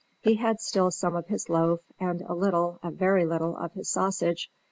He had still some of his loaf, and a little a very little of his sausage.